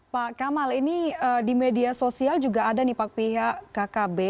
pak kamal ini di media sosial juga ada nih pak pihak kkb